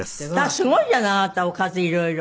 すごいじゃないあなたおかず色々。